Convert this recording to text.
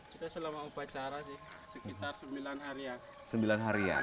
kita selama upacara sih sekitar sembilan harian